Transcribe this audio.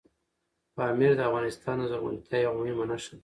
پامیر د افغانستان د زرغونتیا یوه مهمه نښه ده.